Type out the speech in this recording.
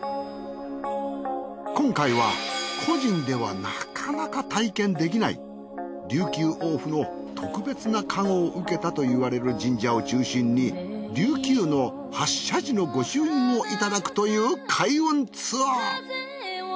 今回は個人ではなかなか体験できない琉球王府の特別な加護を受けたといわれる神社を中心に琉球の８社寺の御朱印をいただくという開運ツアー。